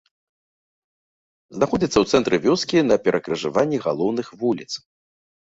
Знаходзіцца ў цэнтры вёскі на перакрыжаванні галоўных вуліц.